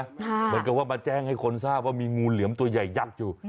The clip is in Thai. เหมือนกับว่ามาแจ้งให้คนทราบว่ามีงูเหลือมตัวใหญ่ยักษ์อยู่